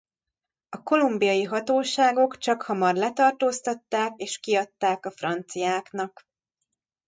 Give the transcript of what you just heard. A kolumbiai hatóságok csakhamar letartóztatták és kiadták a franciáknak.